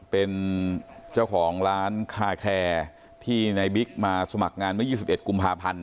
เป็นเจ้าของร้านคาแคที่นายบิ๊กมาสมัครงานเมื่อยี่สิบเอ็ดกุมภาพันธ์